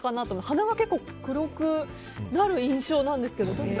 鼻が黒くなる印象なんですけど。